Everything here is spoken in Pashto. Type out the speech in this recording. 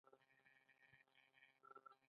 د کرنیزو خدمتونو مرکزونه باید کليوالو ته نږدې وي.